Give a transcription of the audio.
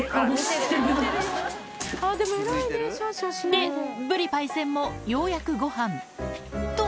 で、ぶりパイセンも、ようやくごはん。と。